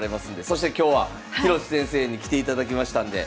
そして今日は広瀬先生に来ていただきましたんで。